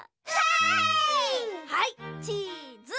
はいチーズ。